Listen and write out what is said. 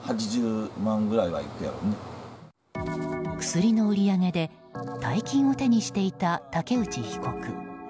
薬の売り上げで大金を手にしていた竹内被告。